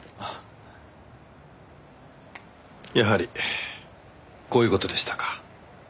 やはりこういう事でしたか。